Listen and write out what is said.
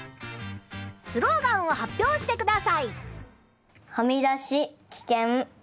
スローガンを発表してください。